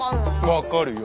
分かるよ。